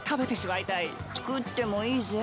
食ってもいいぜ。